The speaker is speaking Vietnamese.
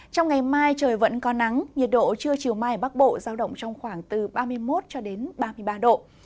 trong ngày mai trời vẫn có nắng nhiệt độ chưa chiều mai bắc bộ giao động trong khoảng từ ba mươi một ba mươi ba độ